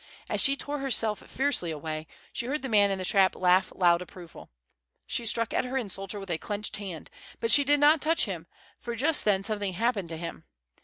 As she tore herself fiercely away, she heard the man in the trap laugh loud approval. She struck at her insulter with clenched hand; but she did not touch him, for just then something happened to him.